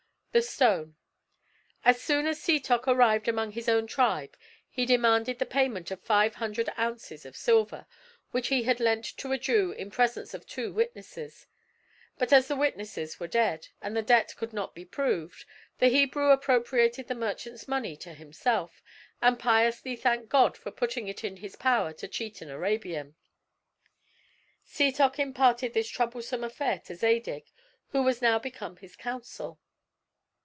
THE STONE As soon as Setoc arrived among his own tribe he demanded the payment of five hundred ounces of silver, which he had lent to a Jew in presence of two witnesses; but as the witnesses were dead, and the debt could not be proved, the Hebrew appropriated the merchant's money to himself, and piously thanked God for putting it in his power to cheat an Arabian. Setoc imparted this troublesome affair to Zadig, who was now become his counsel.